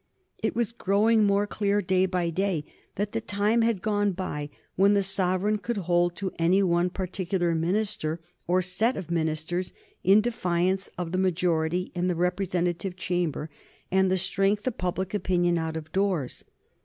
It was growing more clear, day by day, that the time had gone by when the sovereign could hold to any one particular minister, or set of ministers, in defiance of the majority in the representative chamber and the strength of public opinion out of doors.